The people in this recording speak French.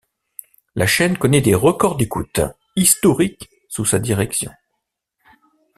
La chaîne connait des records d'écoute historiques sous sa direction.